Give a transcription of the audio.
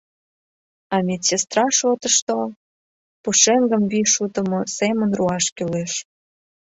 А медсестра шотышто... пушеҥгым вий шутымо семын руаш кӱлеш.